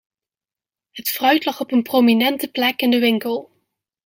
Het fruit lag op een prominente plek in de winkel.